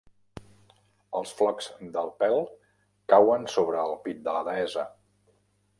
Els flocs del pèl cauen sobre el pit de la deessa.